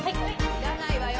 要らないわよ。